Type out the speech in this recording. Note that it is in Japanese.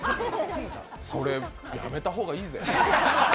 それ、やめた方がいいぜ。